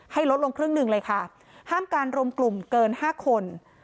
ลดลงครึ่งหนึ่งเลยค่ะห้ามการรวมกลุ่มเกิน๕คน